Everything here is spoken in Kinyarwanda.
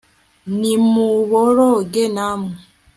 nimuboroge namwe